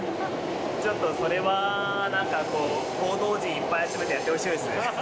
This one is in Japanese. ちょっとそれは、なんか、報道陣いっぱい集めてやってほしいですね。